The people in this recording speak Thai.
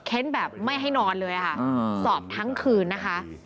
แบบไม่ให้นอนเลยค่ะสอบทั้งคืนนะคะ